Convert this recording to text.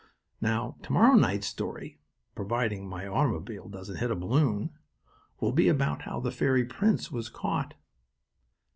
Now, to morrow night's story, providing my automobile doesn't hit a balloon, will be about how the fairy prince was caught.